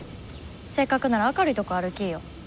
せっかくなら明るいとこ歩きーよ。